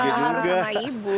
gak harus sama ibu